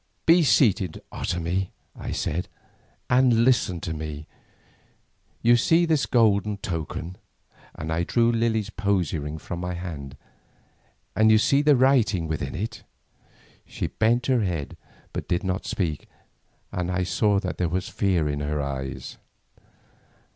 "Be seated, Otomie," I said, "and listen to me. You see this golden token," and I drew Lily's posy ring from my hand, "and you see the writing within it." She bent her head but did not speak, and I saw that there was fear in her eyes.